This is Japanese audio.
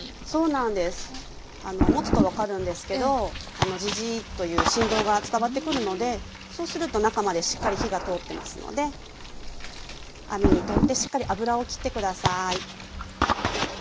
持つと分かるんですけどジジーッという振動が伝わってくるのでそうすると中までしっかり火が通ってますので網にとってしっかり油をきって下さい。